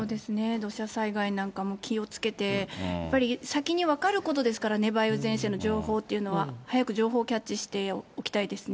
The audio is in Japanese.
土砂災害なんかも気をつけて、やっぱり先に分かることですからね、梅雨前線の情報というのは。早く情報キャッチしておきたいですね。